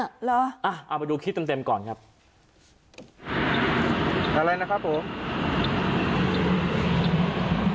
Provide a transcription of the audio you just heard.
อย่างนี้เอามาดูคลิปเต็มก่อนครับอะไรนะครับผม